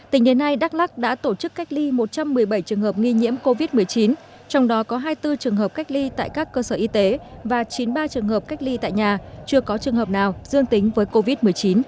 tỉnh đến nay đắk lắc đã tổ chức cách ly một trăm một mươi bảy trường hợp nghi nhiễm covid một mươi chín trong đó có hai mươi bốn trường hợp cách ly tại các cơ sở y tế và chín mươi ba trường hợp cách ly tại nhà chưa có trường hợp nào dương tính với covid một mươi chín